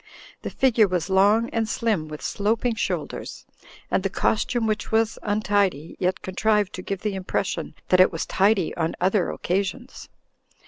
The figure was long and slim, with sloping shoulders, and the costume, which was untidy, yet contrived to give the impression that it was tidy on other occa sions.